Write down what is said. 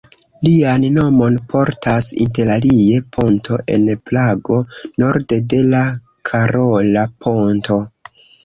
Lian nomon portas interalie ponto en Prago, norde de la Karola Ponto.